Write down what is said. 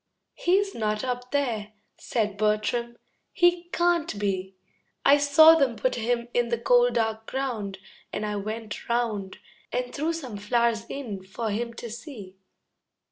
"He's not up there," said Bertram. "He can't be. I saw them put him in the cold dark ground, And I went round And threw some flowers in for him to see."